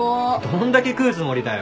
どんだけ食うつもりだよ。